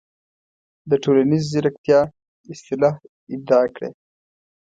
د"ټولنیزې زیرکتیا" اصطلاح ابداع کړه.